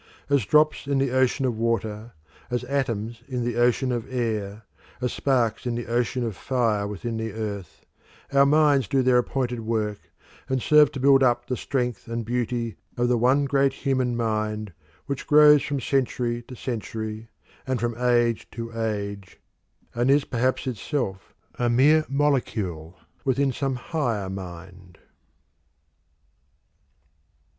As drops in the ocean of water, as atoms in the ocean of air, as sparks in the ocean of fire within the earth, our minds do their appointed work and serve to build up the strength and beauty of the one great human mind which grows from century to century and from age to age, and is perhaps itself a mere molecule within some higher mind.